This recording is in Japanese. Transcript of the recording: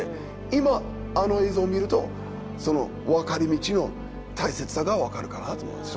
今あの映像を見るとその分かれ道の大切さが分かるかなと思うんです。